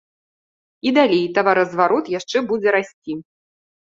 І далей таваразварот яшчэ будзе расці.